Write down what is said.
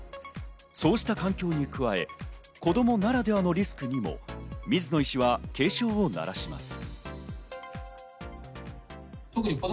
そうした環境に加え、子供ならではのリスクにも水野医師は警鐘を鳴らします。